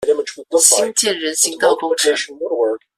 新建人行道工程